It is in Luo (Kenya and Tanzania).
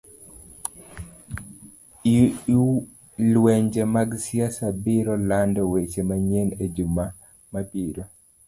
lwenje mag siasa biro lando weche manyien e juma mabiro.